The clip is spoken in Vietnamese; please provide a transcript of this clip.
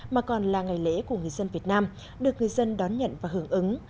mà còn là ngày lễ của người dân việt nam được người dân đón nhận và hưởng ứng